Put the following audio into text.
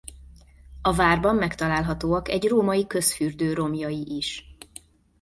A várban megtalálhatóak egy római közfürdő romjai is.